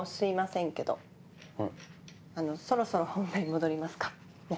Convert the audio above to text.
そろそろ本題に戻りますか？ね？